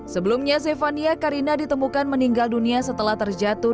sebelumnya zefania karina ditemukan meninggal dunia setelah terjatuh